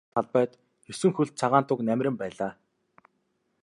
Вангийн ордны голын үзэсгэлэнт талбайд есөн хөлт цагаан туг намиран байлаа.